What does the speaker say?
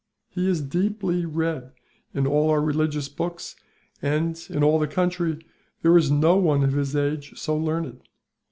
He is deeply read in all our religious books and, in all the country, there is no one of his age so learned.